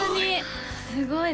すごい！